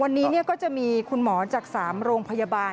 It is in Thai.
วันนี้ก็จะมีคุณหมอจาก๓โรงพยาบาล